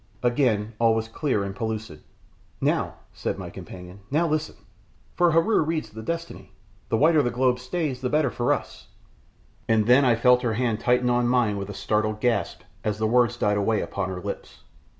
Again all was clear and pellucid. "Now," said my companion, "now listen! For Heru reads the destiny; the whiter the globe stays the better for us " and then I felt her hand tighten on mine with a startled grasp as the words died away upon her lips.